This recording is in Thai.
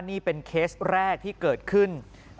นี่เป็นเคสแรกที่เกิดขึ้น